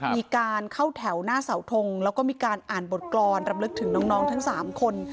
มีการเข้าแถวหน้าเสาทงแล้วก็มีการอ่านบทกรรมรำลึกถึงน้องทั้ง๓คน